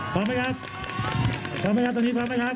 พร้อมไหมครับพร้อมไหมครับตรงนี้พร้อมไหมครับ